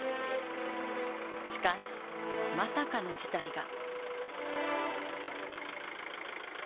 しかし、まさかの事態が。